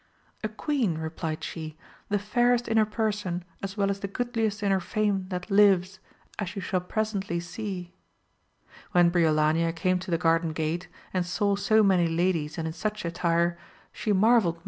A queen, replied she, the fairest in her person as well as the goodliest in her fame that lives, as you shall presently see. When Briolania came to the garden gate, and saw so many ladies and in such attire, she marvelled VOL. m. 9 130 AMADIS OF GAUL.